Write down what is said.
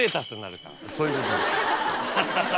そういうことです。